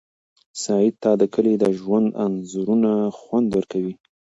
سعید ته د کلي د ژوند انځورونه خوند ورکوي.